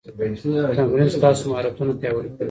تمرین ستاسو مهارتونه پیاوړي کوي.